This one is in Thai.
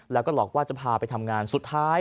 แล้วก็หลอกว่าจะพาไปทำงานสุดท้าย